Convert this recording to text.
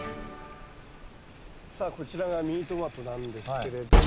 さあこちらがミニトマトなんですけれども。